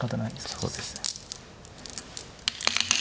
そうですね。